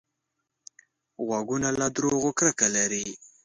غوږونه له دروغو کرکه لري